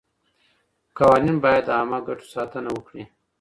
قوانین باید د عامه ګټو ساتنه وکړي.